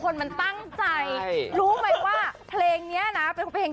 ยัอยรักแ